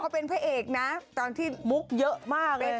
เป็นพระเอกนะตอนที่มุกเยอะมากเลยนะ